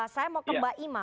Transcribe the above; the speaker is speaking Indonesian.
saya mau ke mbak ima